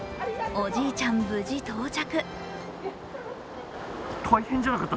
おじいちゃん、無事到着。